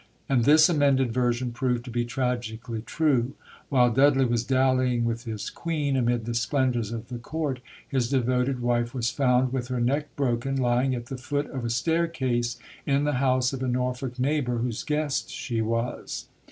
And this amended version proved to be tragically true. While Dudley was dallying with his Queen amid the splendours of the Court, his devoted wife was found, with her neck broken, lying at the foot of a staircase in the house of a Norfolk neighbour, whose guest she was.